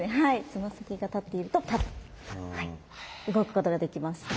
つま先が立っているとパッと動くことができます。